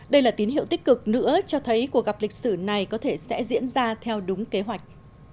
đây là tín hiệu tích cực nữa cho thấy cuộc gặp lịch sử này có thể sẽ diễn ra theo đúng kế hoạch